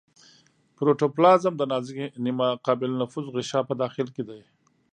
پروتوپلازم د نازکې نیمه قابل نفوذ غشا په داخل کې دی.